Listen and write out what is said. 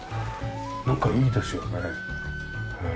なんかいいですよね。